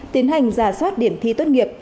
tiến hành giả soát điểm thi tốt nghiệp